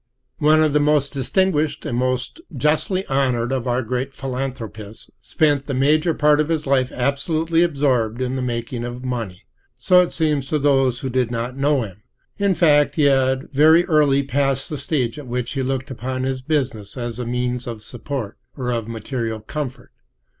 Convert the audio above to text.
One of the most distinguished and most justly honored of our great philanthropists spent the major part of his life absolutely absorbed in the making of money—so it seemed to those who did not know him. In fact, he had very early passed the stage at which he looked upon his business as a means of support or of material comfort.